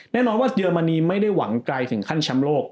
แน่นอนว่าเยอรมนีไม่ได้หวังไกลถึงขั้นแชมป์โลก